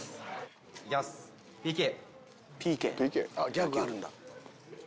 ギャグがあるんだ。